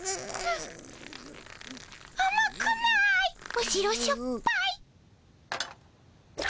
むしろしょっぱい。